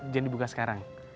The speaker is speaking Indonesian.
jangan dibuka sekarang